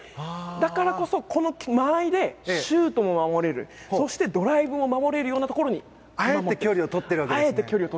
だからこそシュートも守れるそしてドライブも守れるようなところにあえて距離をとってるんです。